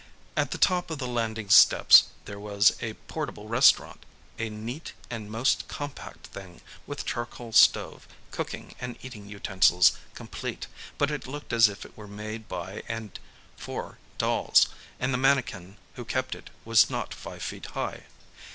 At the top of the landing steps there was a portable restaurant, a neat and most compact thing, with charcoal stove, cooking and eating utensils complete; but it looked as if it were made by and for dolls, and the mannikin who kept it was not five feet high.